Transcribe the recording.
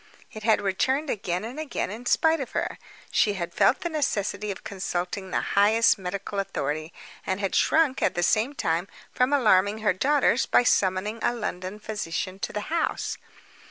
It had returned again and again in spite of her. She had felt the necessity of consulting the highest medical authority; and had shrunk, at the same time, from alarming her daughters by summoning a London physician to the house.